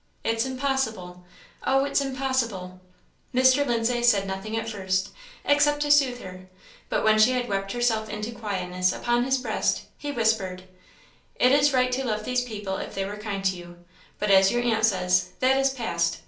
it's impossible Oh, it's impossible." Mr. Lindsay said nothing at first, except to soothe her; but when she had wept herself into quietness upon his breast, he whispered "It is right to love these people if they were kind to you; but, as your aunt says, that is past.